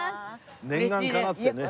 念願かなってね。